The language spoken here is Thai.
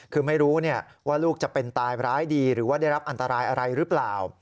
คือไม่รู้ว่าลูกจะเป็นตายร้ายดีหรือว่าได้รับอันตรายอะไรหรือเปล่า